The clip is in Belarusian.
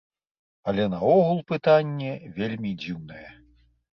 Але наогул пытанне вельмі дзіўнае.